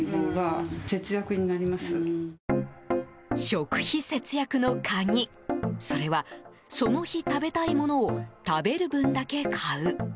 食費節約の鍵、それはその日食べたいものを食べる分だけ買う。